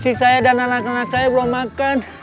istri saya dan anak anak saya belum makan